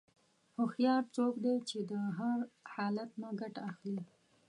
هوښیار څوک دی چې د هر حالت نه ګټه اخلي.